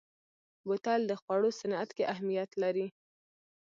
بوتل د خوړو صنعت کې اهمیت لري.